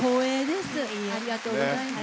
ありがとうございます。